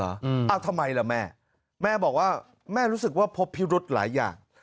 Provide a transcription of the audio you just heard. เอาทำไมล่ะแม่แม่บอกว่าแม่รู้สึกว่าพบพิรุธหลายอย่าง